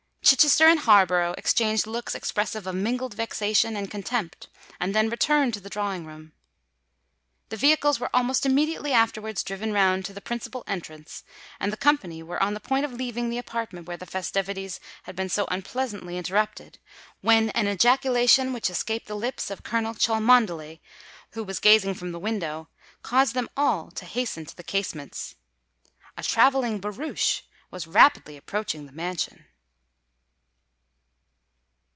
Chichester and Harborough exchanged looks expressive of mingled vexation and contempt, and then returned to the drawing room. The vehicles were almost immediately afterwards driven round to the principal entrance; and the company were on the point of leaving the apartment where the festivities had been so unpleasantly interrupted, when an ejaculation which escaped the lips of Colonel Cholmondeley, who was gazing from the window, caused them all to hasten to the casements. A travelling barouche was rapidly approaching the mansion!